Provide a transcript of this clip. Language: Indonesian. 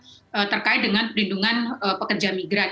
pemerintah dengan perlindungan pekerja migran